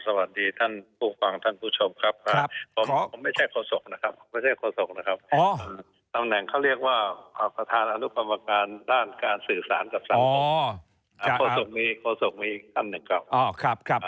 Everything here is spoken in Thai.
สวัสดีท่านผู้ฟังท่านผู้ชมครับครับ